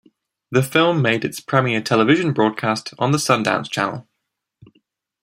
The film made its premiere television broadcast on the Sundance Channel.